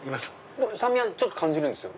酸味はちょっと感じるんですよ